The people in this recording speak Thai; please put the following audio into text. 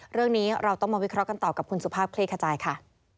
เรื่องนี้เราต้องมาวิเคราะห์กันต่อกับคุณสุภาพคลี่ขจายค่ะ